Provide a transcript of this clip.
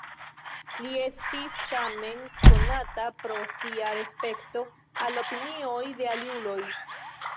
Li estis tamen konata pro sia respekto al la opinioj de aliuloj.